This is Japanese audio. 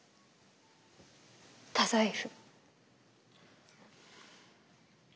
太宰府。